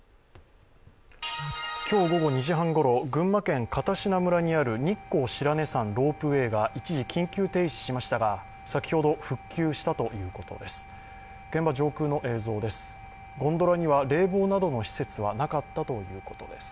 今日午後２時半ごろ、群馬県片品村にある日光白根山ロープウェイが一時、緊急停止しましたが先ほど復旧したということです。